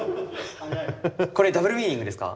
これダブルミーニングですか？